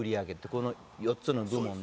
この４つの部門で。